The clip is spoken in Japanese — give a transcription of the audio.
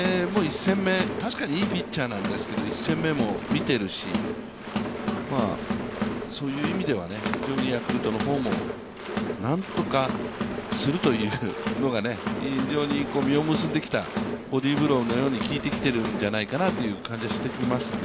確かにいいピッチャーなんですが、１戦目も見ているしそういう意味では非常にヤクルトの方も何とかするというのが非常に実を結んできた、ボディブローのように効いてきているんじゃないかという感じがしてきましたね。